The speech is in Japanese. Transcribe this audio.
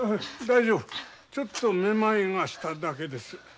ちょっとめまいがしただけです。